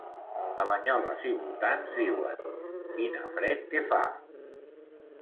A Banyoles i voltants diuen: Quina fred que fa